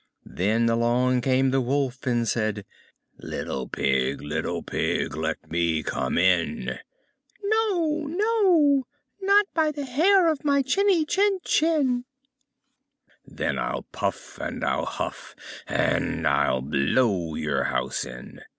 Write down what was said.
Then along came the Wolf and said, "Little Pig, little Pig, let me come in." "No, no, by the hair of my chinny chin chin." "Then I'll puff and I'll huff, and I'll blow your house in!"